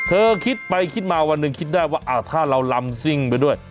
เธอคิดไปคิดมาวันหนึ่งคิดได้ว่าถ้าเราลำซิ่งไปด้วย